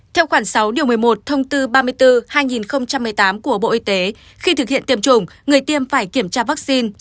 theo khoản sáu một mươi một ba mươi bốn hai nghìn một mươi tám của bộ y tế khi thực hiện tiêm chủng người tiêm phải kiểm tra vaccine